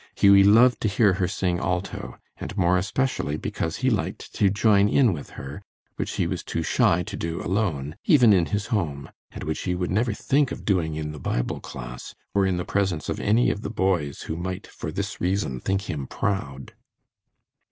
Hughie loved to hear her sing alto, and more especially because he liked to join in with her, which he was too shy to do alone, even in his home, and which he would never think of doing in the Bible class, or in the presence of any of the boys who might, for this reason, think him "proud."